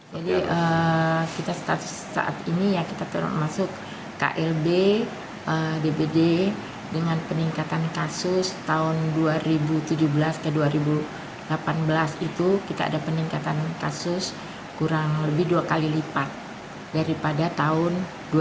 jadi kita saat ini ya kita turun masuk klb dpd dengan peningkatan kasus tahun dua ribu tujuh belas ke dua ribu delapan belas itu kita ada peningkatan kasus kurang lebih dua kali lipat daripada tahun dua ribu tujuh belas